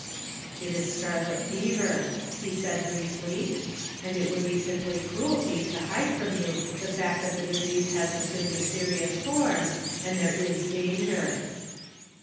" It is scarlet fever," he said briefly, " and it would be simply cruelty to hide from you the fact that the disease has assumed a serious form, and there is danger."